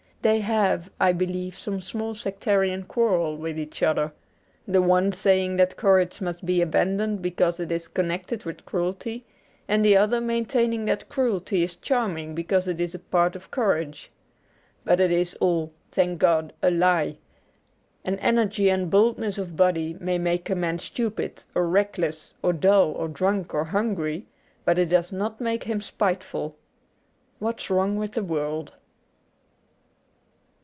They have, I believe, some small sectarian quarrel with each other : the one saying that courage must be abandoned because it is connected with cruelty, and the other maintaining that cruelty is charming because it is a part of courage. But it is all, thank God, a lie. An energy and boldness of body may make a man stupid or reckless or dull or drunk or hungry, but it does not make him spiteful. ^What's Wrong with the World.'